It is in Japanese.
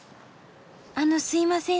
あのすいません